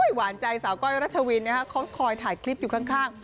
หวานใจสาวก้อยรัชวินเขาคอยถ่ายคลิปอยู่ข้าง